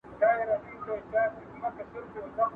¬ بوچ د اختري خلاص دئ.